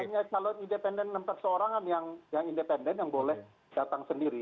hanya calon independen nampak seorang yang independen yang boleh datang sendiri